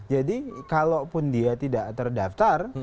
jadi kalaupun dia tidak terdaftar